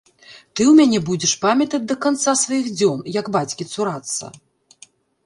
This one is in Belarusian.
Ты ў мяне будзеш памятаць да канца сваіх дзён, як бацькі цурацца!